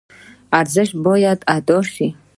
ارزش باید ادا شي.